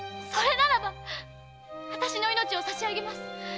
それならば！あたしの命を差し上げます！